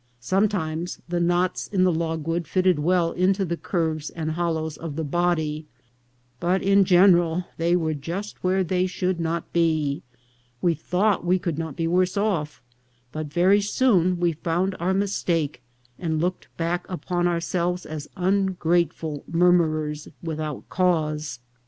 Sometimes the knots in the logwood fitted well into the curves and hollows of the body, but in general they were just where they should not be. "We thought we could not be worse off, but very soon we found our mistake, and looked back upon ourselves as ungrateful murmurers without cause.